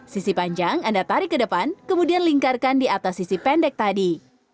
sisi panjang anda tarik ke depan kemudian lingkarkan di atas sisi pendek tadi